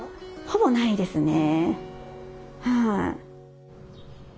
ほぼないですね。